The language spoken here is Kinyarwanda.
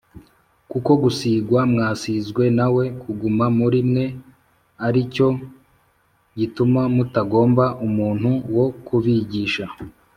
kuko gusīgwa mwasīzwe na we kuguma muri mwe, ari cyo gituma mutagomba umuntu wo kubigisha